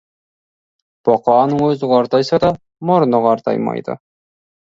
Бұқаның өзі қартайса да, мұрны қартаймайды.